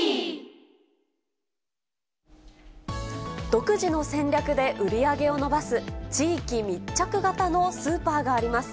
独自の戦略で売り上げを伸ばす地域密着型のスーパーがあります。